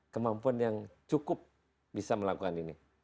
kemampuan yang cukup bisa melakukan ini